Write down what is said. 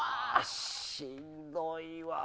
しんどいわ、これ。